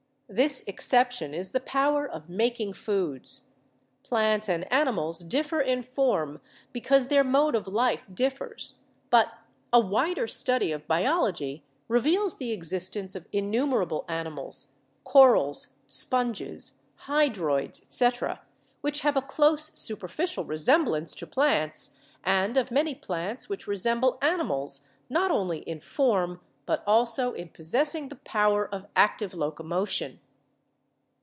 This exception is the power of making foods. Plants and animals differ in form because their mode of life differs; but a wider study of biology reveals the existence of innumerable animals (corals, sponges, hydroids, etc.) which have a close superficial resemblance to plants, and of many plants which resemble animals, not only in form, but also in possessing the power of active locomotion.